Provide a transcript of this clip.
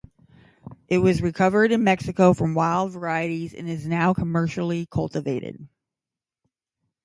It was recovered in Mexico from wild varieties and is now commercially cultivated.